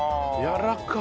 やわらか。